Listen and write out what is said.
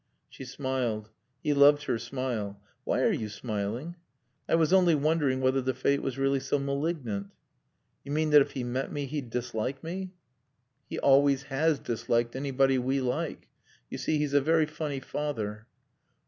She smiled. He loved her smile. "Why are you smiling?" "I was only wondering whether the fate was really so malignant." "You mean that if he met me he'd dislike me?" "He always has disliked anybody we like. You see, he's a very funny father."